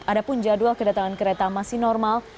adapun jadwal kedatangan kereta masih normal